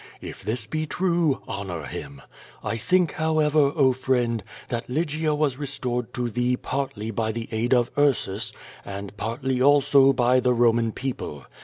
If this be true, honor Him. I think, however, oli, friend, that Lygia was restored to thee partly by the aid of Trsus, and party, also, by the Roman people.